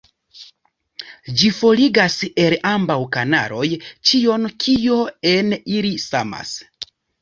Ĝi forigas el ambaŭ kanaloj ĉion, kio en ili samas.